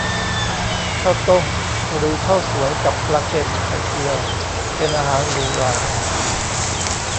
ข้าวต้ม หรือข้าวสวยกับปลาเค็ม ไข่เจียว เป็นอาหารหรูหรา